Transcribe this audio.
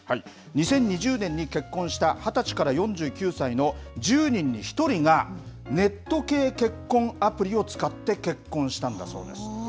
２０２０年に結婚した２０歳から４９歳の１０人に１人がネット系結婚アプリを使って結婚したんだそうです。